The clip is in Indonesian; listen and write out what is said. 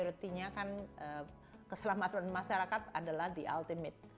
dan akhirnya kan keselamatan masyarakat adalah the ultimate